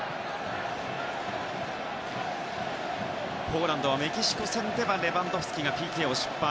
ポーランドはメキシコ戦ではレバンドフスキがＰＫを失敗。